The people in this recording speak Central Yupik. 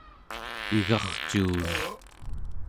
igarcuun